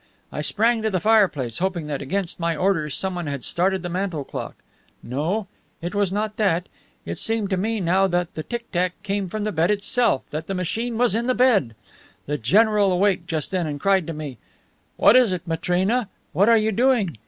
I sprang to the fireplace, hoping that, against my orders, someone had started the mantel clock. No, it was not that! It seemed to me now that the tick tack came from the bed itself, that the machine was in the bed. The general awaked just then and cried to me, 'What is it, Matrena? What are you doing?